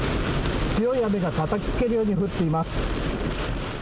強い雨がたたきつけるように降っています。